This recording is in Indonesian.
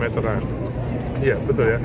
iya betul ya